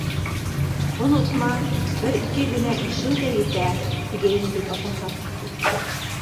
Онотма, бер-ике генә ишеү ҙә етә, тигәйне бит атаһы.